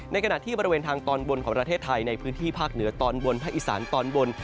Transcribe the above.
ขณะที่บริเวณทางตอนบนของประเทศไทยในพื้นที่ภาคเหนือตอนบนภาคอีสานตอนบน